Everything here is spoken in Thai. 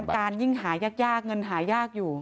การยิ่งหายากเงินหายากอยู่